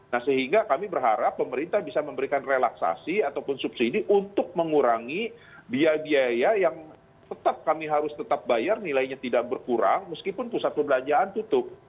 nah sehingga kami berharap pemerintah bisa memberikan relaksasi ataupun subsidi untuk mengurangi biaya biaya yang tetap kami harus tetap bayar nilainya tidak berkurang meskipun pusat perbelanjaan tutup